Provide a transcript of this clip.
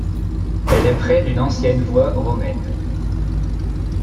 Elle est près d’une ancienne voie romaine.